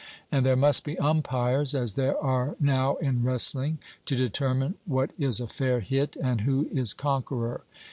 And there must be umpires, as there are now in wrestling, to determine what is a fair hit and who is conqueror.